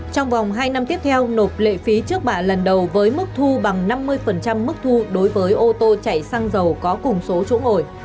trong vòng hai năm tiếp theo nộp lệ phí trước bạ lần đầu với mức thu bằng năm mươi mức thu đối với ô tô chạy xăng dầu có cùng số chỗ ngồi